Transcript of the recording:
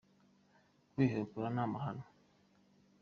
Kwihekura ni amahano.